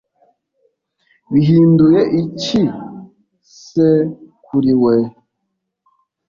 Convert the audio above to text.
bihinduye iki se kuri we